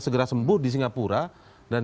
segera sembuh di singapura dan